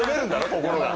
心が。